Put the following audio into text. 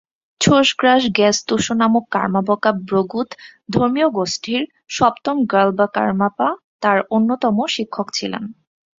ছোস-গ্রাগ্স-র্গ্যা-ম্ত্শো নামক কার্মা-ব্কা'-ব্র্গ্যুদ ধর্মীয় গোষ্ঠীর সপ্তম র্গ্যাল-বা-কার্মা-পা তার অন্যতম শিক্ষক ছিলেন।